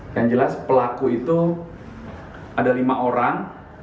yang jelas pelaku itu ada lima orang